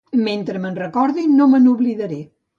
Mentre me'n recordi, no me n'oblidaré.